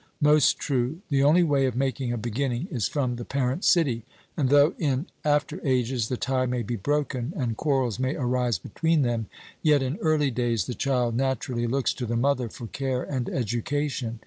'Most true.' The only way of making a beginning is from the parent city; and though in after ages the tie may be broken, and quarrels may arise between them, yet in early days the child naturally looks to the mother for care and education.